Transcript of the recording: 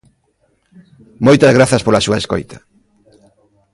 Moitas grazas pola súa escoita.